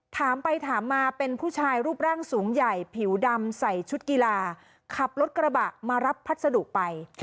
ถามไปถามมาเป็นผู้ชายรูปร่างสูงใหญ่ผิวดำใส่ชุดกีฬาขับรถกระบะมารับพัสดุไป